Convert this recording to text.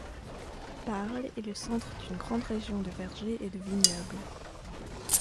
Paarl est le centre d’une grande région de vergers et de vignobles.